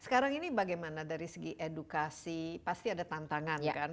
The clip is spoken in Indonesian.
sekarang ini bagaimana dari segi edukasi pasti ada tantangan kan